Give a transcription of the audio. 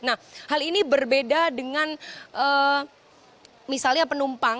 nah hal ini berbeda dengan misalnya penumpang